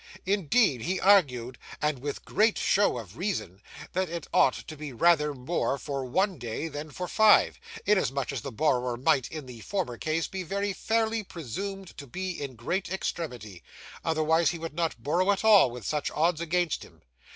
Indeed he argued, and with great show of reason, that it ought to be rather more for one day than for five, inasmuch as the borrower might in the former case be very fairly presumed to be in great extremity, otherwise he would not borrow at all with such odds against him.